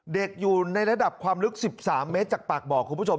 อยู่ในระดับความลึก๑๓เมตรจากปากบ่อคุณผู้ชม